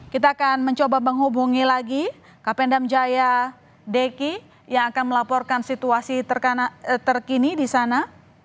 kita akan mencoba menghubungi lagi kapendam jaya deki yang akan melaporkan situasi terkini di sana